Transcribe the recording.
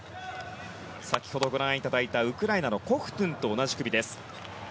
先ほどご覧いただいたウクライナのコフトゥンと同じ組です。